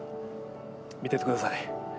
見ててください。